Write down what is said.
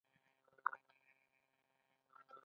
پورته مې وکتل، ګاونډي لکه چې پوه شو.